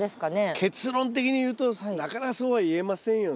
結論的に言うとなかなかそうは言えませんよね。